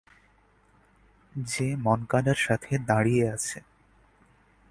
যে মনকাডার সাথে দাঁড়িয়ে আছে।